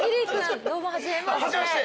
どうも初めまして。